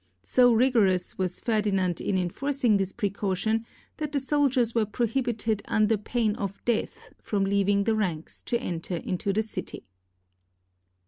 So rigorous was Ferdinand in enforcing this precaution, that the soldiers were prohibited under pain of death from leaving the ranks to enter into the city.